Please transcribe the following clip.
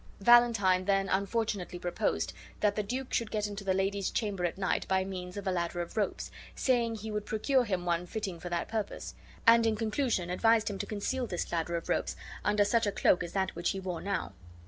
Valentine then unfortunately proposed that the duke should get into the lady's chamber at night by means of a ladder of ropes,, saying he would procure him one fitting for that purpose; and in conclusion advised him to conceal this ladder of ropes under such a cloak as that which he now wore.